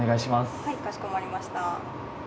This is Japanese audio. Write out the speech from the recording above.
はい、かしこまりました。